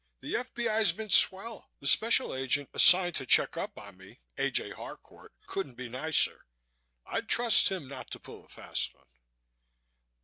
The F.B.I.'s been swell. The Special Agent assigned to check up on me, A. J. Harcourt, couldn't be nicer. I'd trust him not to pull a fast one."